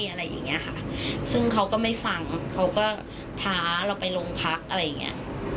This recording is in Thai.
อะไรอย่างเงี้ยค่ะซึ่งเขาก็ไม่ฟังเขาก็ท้าเราไปโรงพักอะไรอย่างเงี้ย